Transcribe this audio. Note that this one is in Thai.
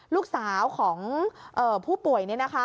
ลูกสาวของเอ่อผู้ป่วยเนี่ยนะคะ